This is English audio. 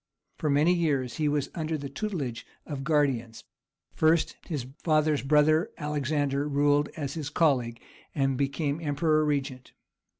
For many years he was under the tutelage of guardians; first his father's brother Alexander ruled as his colleague, and became emperor regent.